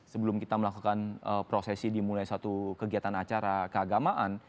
sebelum kita melakukan prosesi dimulai satu kegiatan acara keagamaan